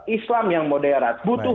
islam yang moderat butuh